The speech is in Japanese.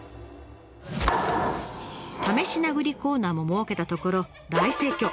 試し殴りコーナーも設けたところ大盛況！